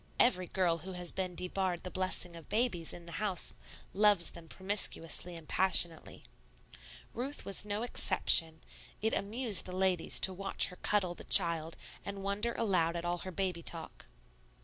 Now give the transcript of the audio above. Every girl who has been debarred the blessing of babies in the house loves them promiscuously and passionately. Ruth was no exception; it amused the ladies to watch her cuddle the child and wonder aloud at all her baby talk.